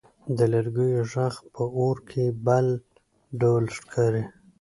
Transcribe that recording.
د لرګیو ږغ په اور کې بل ډول ښکاري.